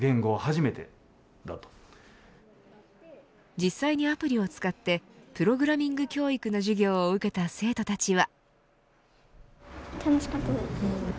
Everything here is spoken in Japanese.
実際にアプリを使ってプログラミング教育の授業を受けた生徒たちは。